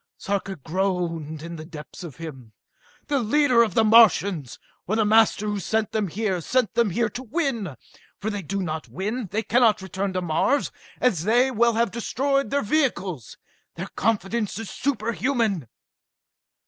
Sarka groaned to the depths of him. "The leader of the Martians, or the master who sent them here, sent them here to win. For if they do not win, they cannot return to Mars, as they will have destroyed their vehicles! Their confidence is superhuman!"